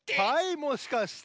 もしかして！